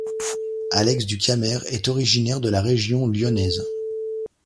Alex du Kamer est originaire de la région lyonnaise.